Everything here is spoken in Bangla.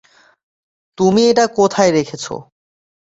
তুমি এটা কোথায় রেখেছ?